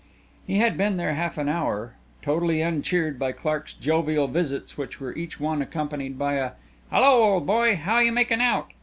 He had been there half an hour, totally uncheered by Clark's jovial visits which were each one accompanied by a "Hello, old boy, how you making out?"